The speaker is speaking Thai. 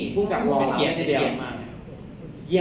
เป็นเกียรติใดเดียว